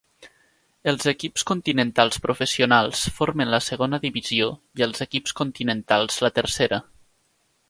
Els equips continentals professionals formen la segona divisió i els equips continentals la tercera.